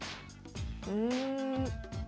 うん。